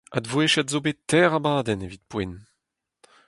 Advouezhiet zo bet teir abadenn evit poent.